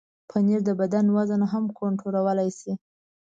پنېر د بدن وزن هم کنټرولولی شي.